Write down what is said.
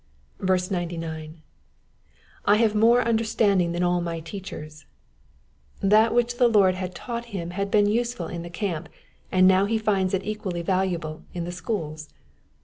99. / have more understanding than aU my teachers,^ ^ That which the' Lord had taught him had been useful in the camp, and now he finds it equally valuable in the schools.